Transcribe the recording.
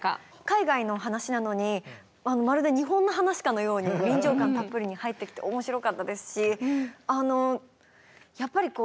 海外の話なのにまるで日本の話かのように臨場感たっぷりに入ってきて面白かったですし。